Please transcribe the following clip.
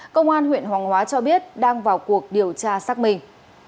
công an huyện hoàng hóa cho biết đang vào cuộc điều tra xác minh